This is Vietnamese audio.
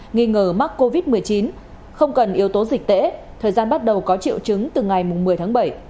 nghi ngờ mắc covid một mươi chín không cần yếu tố dịch tễ thời gian bắt đầu có triệu chứng từ ngày một mươi tháng bảy